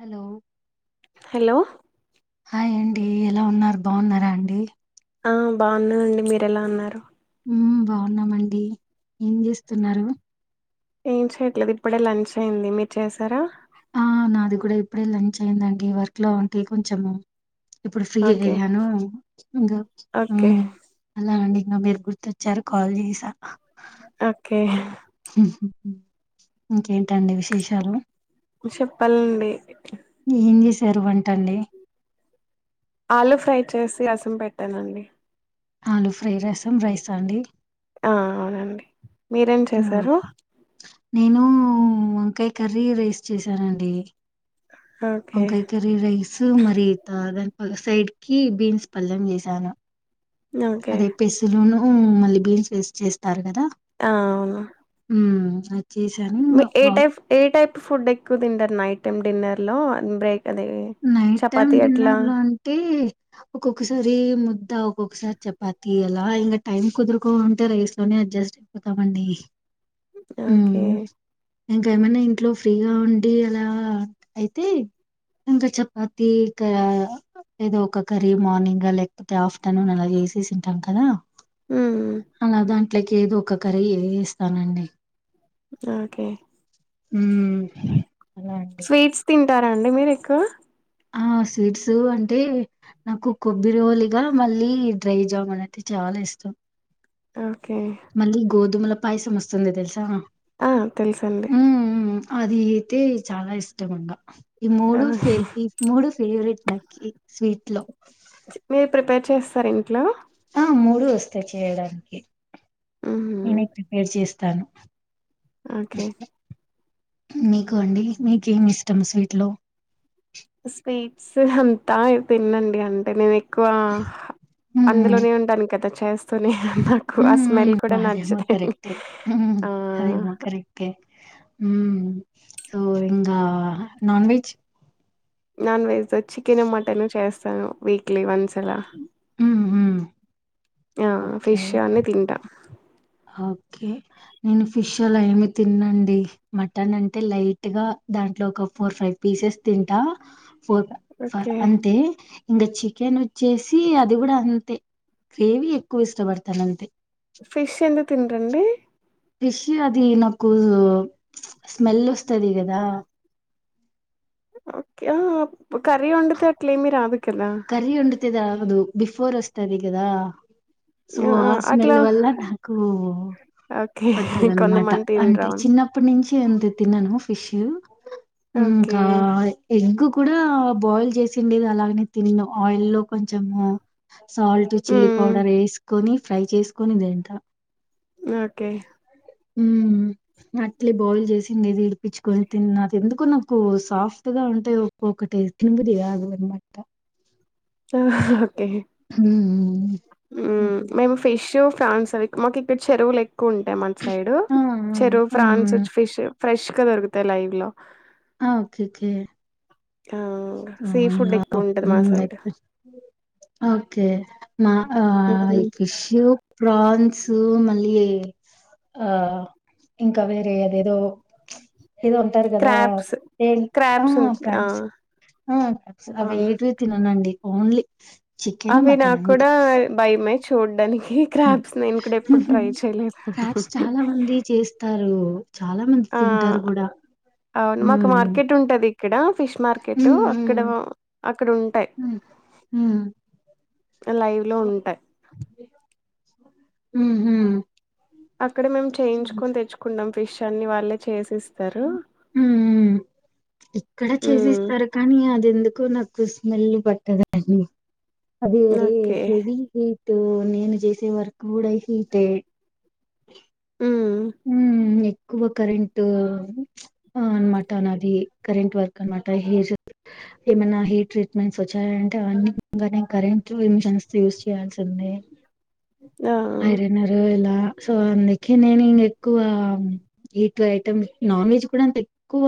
Hello hello hi అండి ఎలా ఉన్నారు బాగున్నారా అండి ఆ బాగున్నానండి మీరు ఎలా ఉన్నారు ఊమ్ బాగున్నామండి ఏం చేస్తున్నారు ఏం చేయట్లేదు ఇప్పుడే లంచ్ అయింది మీరు చేసారా ఆ నాది కూడా ఇప్పుడే లంచ్ అయిందండి వర్క్ లో ఉంటి కొంచెము ఇప్పుడు ఫ్రీ ఓకే అయ్యాను ఇంకా ఓకే ఉమ్ అలా అండి ను మీరు గుర్తొచ్చారు కాల్ చేసా ఓకే ఊహ్మ్ ఇంకేంటండి విశేషాలు ను చెప్పాలండి ఏం చేశారు వంటండి ఆలు ఫ్రై చేసి రసం పెట్టానండి ఆలు ఫ్రై రసం రైసా అండి ఆ అవునండి మీరేం ఆ చేశారు నేను వంకాయ కర్రీ రైస్ చేసానండి ఓకే వంకాయ కర్రి రైస్ మరిత దాని సైడ్ కి బీన్స్ పలెం చేసాను ఓకే అదే పేసులును మళ్ళీ బీన్స్ వేసి చేస్తారు కదా ఆ అవును ఉమ్ ఆ మీ ఏ టైప్ ఏ టైప్ ఫుడ్ ఎక్కువ తింటారు నైట్ టైమ్ డిన్నర్ లో బ్రేక్ అది నైట్ టైం చపాతి అట్లా డిన్నర్ లో అంటే ఒక్కొక్కసారి ము ఒ ఒకొ ఒకసారి చపాతి అలా ఇంకా టైం కుదురుకో ఉంటే రైస్ లోనే అడ్జస్ట్ అయిపోతామండి ఓకే మ్మ్ ఇంకా ఏమైన్నా ఇంట్లో ఫ్రీగా ఉండి అలా అయితే ఇంకా చపాతికా ఏదో ఒక కర్రీ మార్నింగ్ లేకపోతే ఆఫ్టర్నూన్ అలా చేసేసింటాం కదా ఉమ్ ట్లకి ఏదో ఒక కర్రి ఏ చేస్తానండి ఓకే హమ్ స్వీట్స్ తి తింటారండి మీరు ఎక్కువ ఆ స్వీట్స్ అంటే నాకు కొబ్బరోలిగా మళ్ళీ డ్రై జాముూన్ అయితే చాలా ఇష్టం ఆ మళ్ళీ గోధుమలు పాయసం వస్తుంది తెలుసా ఆ తెలుసండి హ్మ్. అది అయితే చాలా ఇష్టం ఇంగ ఈ మూడు ఆ ఫే ఈ మూడు ఫేవరేట్ నాకి స్వీట్ లో మీరు ప్రిపేర్ చేస్తార ఇంట్లో మూడు వస్తాయి చేయడానికి ఉహు నే ప్రిపేర్ చేస్ తను ఓకే మీకు అండి మీకేమి ఇష్టం స్వీట్ లో స్వీట్స్ అంతా తిన్ననండి అంటే నేనే క్కువ హ్మ్. అందులోనే ఉంటాను క తక్ చేస్తునే నాకు ఆ హ్మ్. స్మెల్ హ్మ్. కూడా అదేమో నచ్చద అండి కరెక్టే. హ్మ్. ఆ మ్మ్ సో ఇంగ నాన్ వెెజ్ నాన్ వెజ్ తో చికెను మటను చేస్ సగం వీక్లీ వన్స్ రా హ్మ్. హ్మ్. ఆ ఓకే. ఫిష్ అన్నీ తింటా నేను ఫిష్ అలా ఏమి తిన్ను అండి, మటన్ అంటే లైట్ గా దాంట్లో ఒక ఫోర్ ఫైవ్ పీసెస్ తింటా. ఫోర్ ఫ ఓకే అంతే ఇంగ చికెన్ వచ్చేసి అది కూడా అంతే గ్రేవీ ఎక్కువ ఇష్టపడతాను అంతే ఫిష్ అందు తింటండి పిష్యూ అది నాకు స్మెల్ వస్తది గదా ఓకే ఆ ప్పుడ్ కర్రీ వండితే అట్లే ఏమి రాదు కదా కర్రీ వండితే అది ఆగదు బిఫోర్ వస్తది గదా సో ఆ స్మెల్ వల్ల నాకు ఓకే పట్టదన్మాట కొంతమంది తినరా అంటే చిన్నప్పుడు న్ నుంచి అంతే తినను ఫిష్ ఓకే ఇంకా ఎగ్ కూడా బాయిల్ చేసిండేది అలాగనే తిన్ను ఆయిల్ లో కొంచము సాల్ట్ చిల్లీ హ్మ్. పౌడర్ ఎసుకొని ఫ్రై చేసుకొని తింట ఓకే ఉమ్ అట్లీ బాయిల్ చేసిండేది ఇడిపచ్చుకొని తిన్న నాక్ ఎందుకో నాకు సాఫ్ట్ గా ఉంటె ఒక్కొక్కటి తిన బుద్ధి కాదు అనమాట. ఆ ఉమ్ ఓకే మేం ఫిషు ప్రాన్స్ అవి మాకు ఇక్కడ చెరువుల ఏ కుంటే మన సైడ్ ఆ చెరువు ఆ ఫ్రాన్స్ వచ్ ఫిష్ ఫ్రెష్ గా దొరుకుతయ్ లైవ్ లో ఆ ఒకె కే ఆ సీ ఉమ్ ఇంగ ఫుడ్ ఎక్కువ ఉంటది మా సైడ్ ఉమ్ ఓకే మా ఆ ఫిషూ ప్రాన్స్ సో మళ్ళీ ఆ ఇంకా వేరే ఆదేదో ఏదో అంటారు కదా క్రాబ్స్ ఏ ఆ క్రాబ్స్ ఉంటాయి ఆ ఫ్రాన్స్ ఆ అవి అవును ఏటివి తిననండి ఓన్లీ చికెను, అవి మటన్ నాకు కూడా భయమే చూడ్డానికి క్రాబ్స్ నేను కూడా ఎప్పుడు ఉహు ట్రై చేయలేదు క్రబ్స్ చాలా మంది చేస్తారు చాలా మంది ఆ తింటారు కూడా ఉ ఈక్కడ ఫిష్ మార్కెటు అక్కడ అక్కడ ఉంటాయి హ్మ్. హ్మ్. లైవ్ లో ఉంటాయ్ ఉహు అక్కడే మేము చేయించుకొని తెచ్చుకుంటాం ఫిష్ అన్ని వాళ్ళే చేసి ఉమ్ ఇక్కడ మ్మ్ చేసిస్తారు కానీ అది ఎందుకు నాకు కు స్మెల్లు పట్టదండి అదే రే ఓకే హెవీ రీ ఓ నేను చేసే వర్క్ కూడా హిట్ ఏ మ్మ్ అ ఉ ఏక్ ఎక్కువ కరెంట్ అనమాట నాది కరెంట్ వర్క్ అనమాట హెయిర్స్ ఏమైనా హెయిర్ ట్రీట్మెంట్స్ వచ్చాయ అంటే అవన్నీ గానీ కరెంట్ మీషన్స్ యూస్ చేయాల్సిందే ఆ ఆయరేనారు ఎలా సో అందుకే నేను ఎక్కువ ఇటు ఐటమ్ నాన్ వెజ్ కూడా అంత ఎక్కువ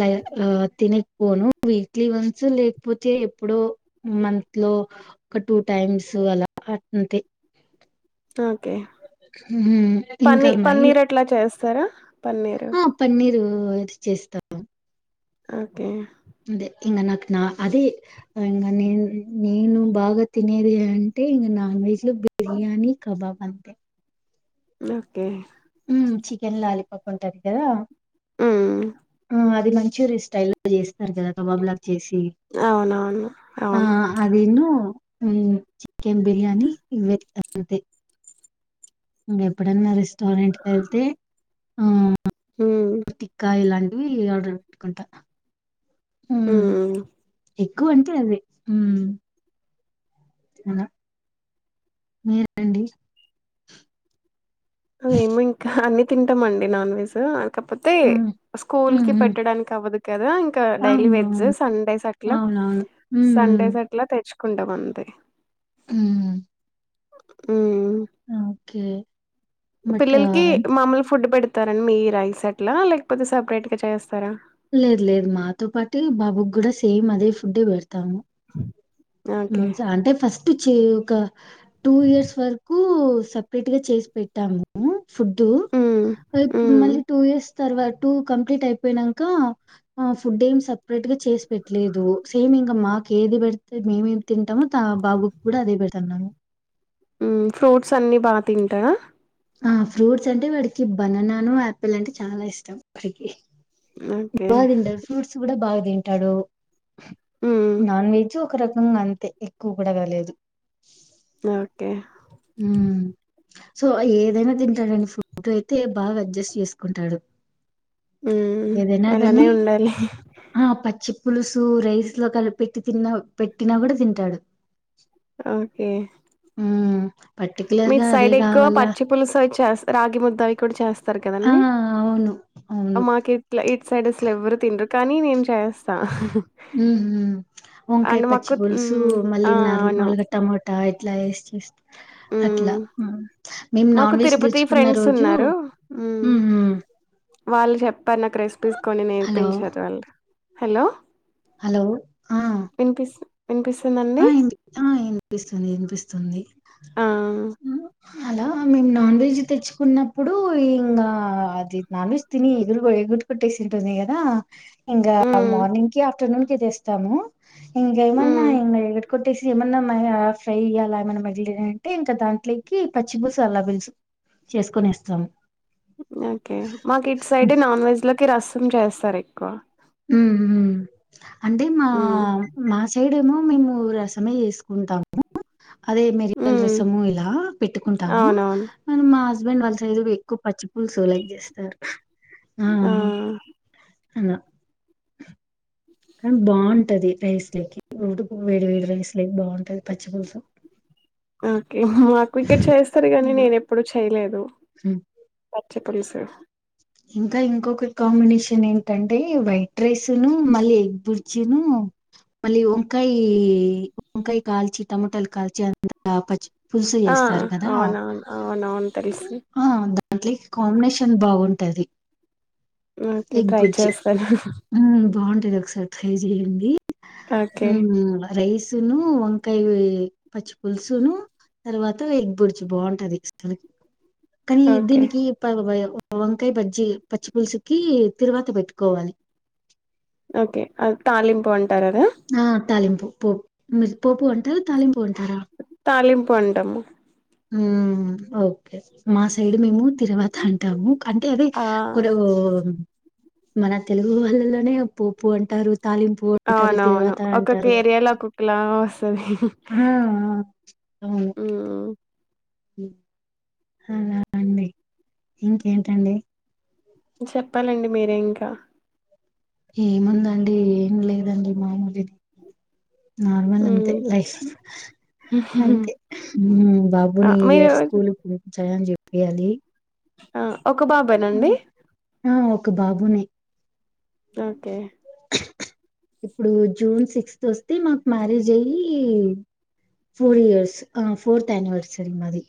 లై లై తిను పోను వీక్లీ వన్స్ లేకపోతే ఎప్పుడో మంత్ లో ఒక టూ టైమ్స్ అలా అంతే ఆ ఇంకా మైన సార పన్నీరు ఓ అది చేస్తాం ఓకే అదే ఇంక నాకు నా అదే ఇంగా నేను నేను బాగా తినేది అంటే ఇక నాన్ వెజ్ లో బిర్యానీ కబాబ్ అంతే ఓకే ఉ చికెన్ లాలీపాప్ ఉంటది కదా ఊ ఆ! అది మంచూరి స్టైల్ లో చేసి ఆ ఓవర్లాక్ చేసి అవునవును ఆ అవును అదిను అ చికెన్ బిర్యానీ ఇవే అంతే ఇంకెప్పుడన్న రెస్టారెంట్ కి వెళ్తే ఆ మ్మ్ టిక్క ఇలాంటి ఇవి ఆర్డర్ పెట్కుంటా మ్మ్ ఎక్కువ అంటే అదే హ్మ్ అలా మీరండి మేము ఇంకా అన్ని తింటామండి నాన్ వెజ్ కాకపోతే హ్మ్. స్కూల్ హ్మ్. కి హ్మ్. పెట్టడానికి అవదు కదా డైలీ వెజ్ అవునవును. సండేస్ అట్లా అవునవును. హ్మ్. సండేస్ అట్లా తెచు కొంతమంది హ్మ్ మ్మ్ ఓకే బట్ ఆ, పిల్లలకి మమూలు ఫుడ్ పెడతారండి మీ రైస్ అట్లా లేకపోతే సపరేట్గా చేస్తారా లేదు లేదు మాతో పాటు బాబుకి కూడా సేమ్ అదే ఫుడ్డే పెడతు తాము ఓకే అంటే ఫస్ట్ పెటచ్చు ఒక టూ ఇయర్స్ వరకు సపరేట్ గా చేసి పెట్టాము ఫుడ్ హ్మ్ హ్మ్ మళ్ళీ టూ ఇయర్స్ తర్వాత టు కంప్లీట్ అయిపోయినా ఇంకా ఫుడ్ ఏం సపరేట్ గా చేసి పెట్టలేదు సేమ్ ఇంకా మాకు ఏది పెడితే మేము తింటాము త బాబుకి కూడా అదే పెడుతున్నాము హ్మ్ ఫ్రూట్స్ అన్ని బాగా తింటాడా ఆ ఫ్రూట్స్ అంటే వాడికి బననాను ఆపిల్ అంటే చాలా ఇష్టం వాడికి ఓకే. బాగ తింటాడు ఫ్రూట్స్ కూడా బాగ తింటాడు హ్మ్. నాన్ వెజ్ ఒక రకంగా అంతే ఎక్కువ కూడా కాలేదు ఓకే హ్మ్ సో ఏదైనా తింటాడండి ఫుడ్ అయితే బాగా అడ్జస్ట్ చేసుకుంటాడు హ్మ్. ఏదైనా అలానే కానీ ఉండాలి. ఆ పచ్చి పులుసు రైస్ లో కలి పెట్టి తిన్న పెట్టినా కూడా తింటాడు ఓకే హ్మ్ పర్టిక్యులర్ మీ గా అదే సైడ్ ఎక్కువ కావాలా పచ్చి పులుసు అవి చేస్త రాగి ముద్ద అవి కూడా చేస్తారు ఆ కదండి అవును అవును. మాకు ఇట్లా ఇటు సైడ్ అసలు ఎవ్వరు తిినరు కానీ నేను చేస్తా హ్మ్ హు వంకాయ అండ్ పచ్చి మాకు పులుసు హ్మ్. ఆ! మళ్ళీ నార్ అవును. మళ్ళ టమోటా య ఇట్లా వే చేస్త హ్మ్ మాకు నాన్ వెజ్ తిరుపతి తెచ్చుకున్న ఫ్రెండ్స్ రోజు ఉన్నారు హ్మ్ హ్మ్ వాళ్ళు హ్మ్ చెప్పారు నాకు రెసిపీస్ కొన్ని హలో నేర్పించారు వాళ్ళు హలో హలో ఆ వినిపిస్ ఆ వినిపిస్తుందండి? ఏంది ఏంది వినిపిస్తుంది వినిపిస్తుంది ఆ! హ అలా మేము నాన్ వెెజ్ తెచ్చుకున్నప్పుడు ఇంకా అది నాన్ వెెజ్ తిని ఎగుటు ఎగుటు కొట్టేసింటుంది కదా ఇంకా హ్మ్. మార్నింగ్ కి ఆఫ్టర్నూన్ కి తెస్తాము ఇగా ఏమాన్నా హ్మ్. ఇంగ కొట్టేసి ఏమన్నా ఫ్రై ఇయ్యాలా ఏమైన్నా మిగిలి అంటే ఇంకా దాంట్లోకి పచ్చిపులుసు అలా పులుసు చేసుకోనేస్తాము ఓకే మాకి ఇటుసైడ్ నాన్ వెజ్ లో కి రసం చేస్తారు ఎక్కువ హ్మ్ హు అంటే మా ఉమ్ మా సైడ్ ఏమో మేము రసమే చేసుకుంటాము అదే మిరియల రసము ఇలా పెట్టుకుంటాము అవునవును మా హస్బె హస్బెండ్ వాళ్ళ సైదుకు ఎక్కువ పచ్చి పులుసు లైక్ చేస్తారు ఆ అలా కాని బాగున్ ఉంటది రైసలో కి ఉడుకు వేడి వేడి రైస్ లేక్ బాగుంటది పచ్చిపులుసు ఓకే మాకు ఇక్కడ చేస్తారు గానీ ఇలా. నేను ఎప్పుడూ చేయలేదు హ్మ్ చెప్పండి సార్ ఇంకా ఇంకొక కాంబినేషన్ ఏంటంటే వైట్ రైస్ ను మళ్ళీ ఎగ్ బుర్జి మళ్ళీ వంకాయ వంకాయ కాల్చి టమాటాలు కాల్చి అంత పచ్చి పులుసు ఆ చేస్తారు కదా! అవునువును అవునవును తెలుసు దాంట్లో కి కాంబినేషన్ బాగుం టది ఓకే ఎగ్ ట్రై బుజ్జి చేస్తాను మ్మ్ బాగుం ఇది ఒకసారి ట్రై చేయండి ఓకే ఉమ్ రైస్ తిను వంకాయ్ పచ్చి పులుసును తర్వాత ఎగ్ బుడ్జ్ బాగుంటది [unintelligible] కానీ ఓకే దీనికి పా ఉపయోగం పవన్ కె బజ్జి పచ్చిపులుసుకి తిరువాత పెట్టుకోవాలి ఓకే అది తాలింపు అంటారు అదా ఆ తాలింపు పో మీర్ పోపు అంటారా తాలింపు అంటారా తాలింపు అంటాము మ్మ్ ఓకే మా సైడ్ మేము తిరువాత అంటాము అంటే అది ఆ కొరవు మన తెలుగు వాళ్ళలోనే పోపు అంటారు తాలింపు అంటారు అవునవును తిరువాత ఒక్కొక్క అంటారు ఏరియాలో ఒక్కొక్కలా వస్తది ఆ ఆ అవును. హ్మ్ అలా అండి ఇంకేంటండి మ్మ్ చెప్పాలండి మీరే ఇంకా ఏముందండి ఏం లేదండి మామూలే నార్మల్ అంతే ఉమ్ లైఫ్ అంతే మ్మ్ బాబుని ఈ ఇయర్ మీరు స్కూల్ ఏపిచ్చ అన్ చెప్ ఎయ్యాలి ఆ ఒక బాబేనండి ఆ ఒక బాబునే ఓకే ఇప్పుడు జూన్ సిక్స్త్ వస్తే మాకు మ్యారేజ్ అయి ఫోర్ ఇయర్స్ ఆ ఫోర్త్ యానివర్సరీ మాది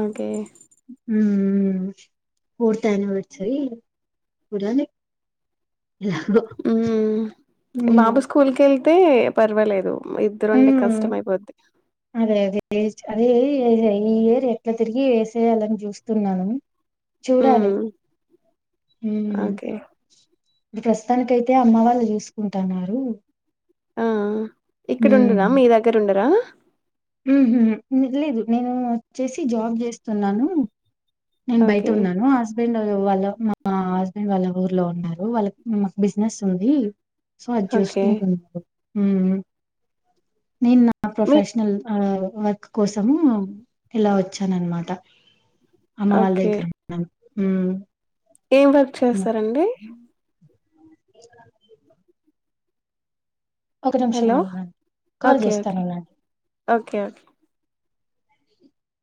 ఓకే హుమ్ పుడ్తనే వచ్చాయ్ చూడాలి ఎలాగో హుమ్ ఉ బాబు స్కూల్ కి కెల్తే పర్వాలేదు మా ఇద్దరుండే కష్టమయిపోద్ది ఏజ్ అదే ఈ ఇయర్ ఎట్లా తిరిగి వేసేయాలని చూస్తున్నాను చూడాలి మ్మ్ ఓకే ఈ ప్రస్తుతానికైతే అమ్మ వాళ్ళు చూసుకుంటున్నారు ఆ ఆ ఇక్కడండురా మీ దగ్గర ఉండరా ఉహూ లేదు నేను వచ్చేసి జాబ్ చేస్తున్నాను నేను బయట ఓకే ఉన్నాను హస్బెండ్ వాళ్ళ మా హస్బెండ్ వాళ్ళ ఊర్లో ఉన్నారు వాళ్ళ మా బిజినెస్ ఉంది సో అది ఓకే చూసుకుంటు హు నిన్న ఆన్ మీ ప్రొఫెషనల్ ఆ వర్క్ కోసము ఇలా వచ్చాన అనమాట అమ్మ వాళ్ళ ఓకే దగ్గర ఉన్నాం హు ఏం వర్క్ చేస్తారండి [unintelligible] ఒక నిమిషం హలో అన్న కాల్ ఓకే చేస్తాను ఓకే ఉనండి ఓకే ఓకే